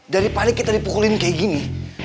dari paling kita dipukulin kayak gini